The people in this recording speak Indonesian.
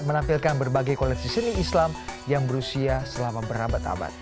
menampilkan berbagai koleksi seni islam yang berusia selama berabad abad